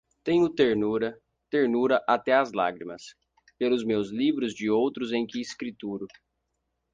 Tenho ternura, ternura até às lágrimas, pelos meus livros de outros em que escrituro